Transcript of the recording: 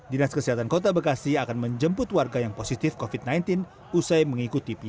dinas kesehatan kota bekasi akan menjemput warga yang positif covid sembilan belas usai mengikuti pcr